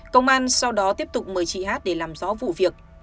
công an sau đó tiếp tục mời chị hát để làm rõ vụ việc